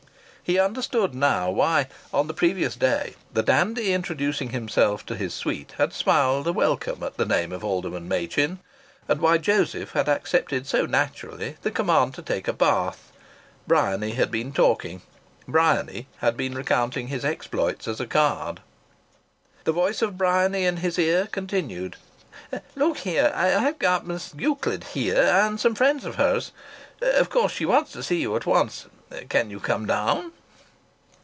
He understood now why, on the previous day, the dandy introducing him to his suite had smiled a welcome at the name of Alderman Machin, and why Joseph had accepted so naturally the command to take a bath. Bryany had been talking. Bryany had been recounting his exploits as a card. The voice of Bryany in his ear continued: "Look here! I've got Miss Euclid here and some friends of hers. Of course she wants to see you at once. Can you come down?"